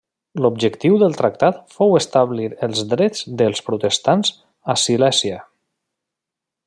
L'objectiu del tractat fou establir els drets dels protestants a Silèsia.